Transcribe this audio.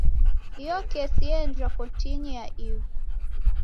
Iyo kesi yeenjwa kotinyi ya ighu.